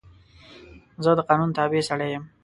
زه د قانون تابع سړی یم.